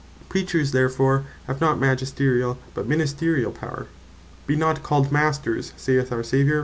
Preachers therefore have not Magisteriall, but Ministeriall power: "Bee not called Masters, (saith our Saviour, Mat.